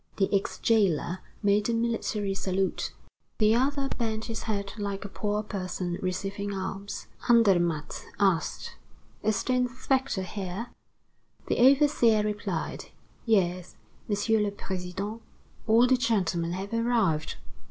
The ex jailer made a military salute. The other bent his head like a poor person receiving alms. Andermatt asked: "Is the inspector here?" The overseer replied: "Yes, Monsieur le President, all the gentlemen have arrived."